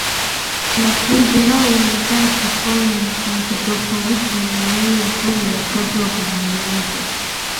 Lafudhi yao imekaa kipwani na kitofauti na yenye upole wakati wa kuzungumza